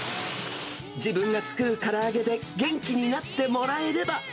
自分が作るから揚げで元気になってもらえれば。